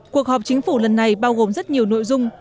cuộc họp chính phủ lần này bao gồm rất nhiều nội dung